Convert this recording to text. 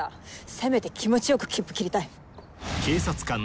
せめて気持ち良く切符切りたい。